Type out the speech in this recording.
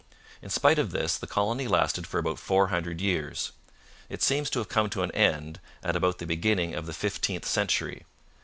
In spite of this, the colony lasted for about four hundred years. It seems to have come to an end at about the beginning of the fifteenth century.